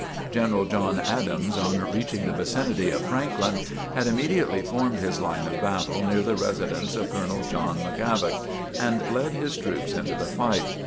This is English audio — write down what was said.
General John Adams, on reaching the vicinity of Franklin, had immediately formed his line of battle near the residence of Colonel John McGavock and led his troops into the fight.